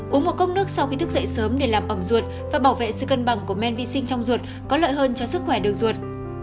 uống một cốc nước sau khi thức dậy sớm để làm ẩm ruột và bảo vệ sự cân bằng của men vi sinh trong ruột có lợi hơn cho sức khỏe đường ruột